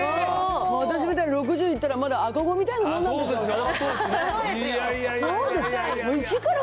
私みたいに６０いったら、まだ赤子みたいなもんなんですよね。